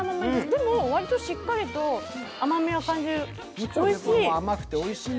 でも、割としっかりと甘みは感じるおいしい。